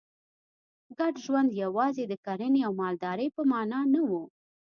ګډ ژوند یوازې د کرنې او مالدارۍ په معنا نه و